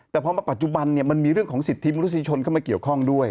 แต่พอมาปัจจุบันเนี่ยมันมีเรื่องของสิทธิมนุษยชนเข้ามาเกี่ยวข้องด้วย